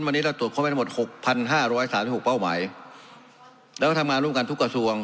วันนี้เราตรวจเข้าไปทั้งหมดหกพันห้าร้อยสามสิบหกเป้าหมายแล้วก็ทำงานร่วมกันทุกกระทรวง